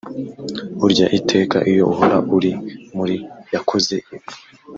Burya iteka iyo uhora uri muri yakoze ibi